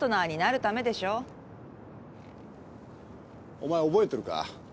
お前覚えてるか？